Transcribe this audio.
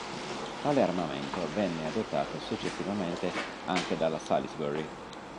Tale armamento venne adottato successivamente anche dalla "Salisbury".